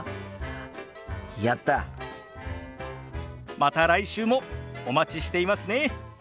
また来週もお待ちしていますね。